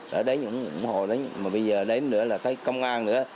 và bây giờ đến nữa là công an nữa